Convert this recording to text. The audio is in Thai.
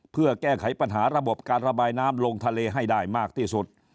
เพื่อแก้ไขปัญหาระบบการระบายน้ำลงทะเลให้ได้มากที่สุด